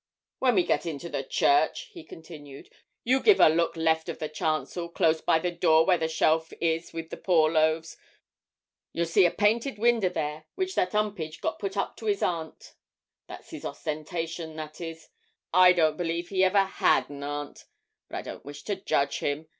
'When we get into the church,' he continued, 'you give a look left of the chancel, close by the door where the shelf is with the poor loaves. You'll see a painted winder there which that 'Umpage got put up to his aunt that's his ostentation, that is. I don't believe he ever had an aunt; but I don't wish to judge him.